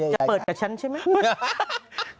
จะเปิดกับฉันใช่ไหม